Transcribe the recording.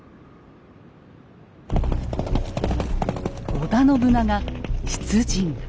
織田信長出陣。